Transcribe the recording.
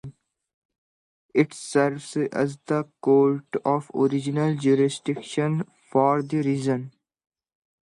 It serves as the court of original jurisdiction for the region.